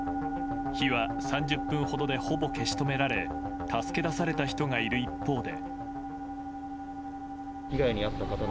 火は３０分ほどでほぼ消し止められ助け出された人がいる一方で。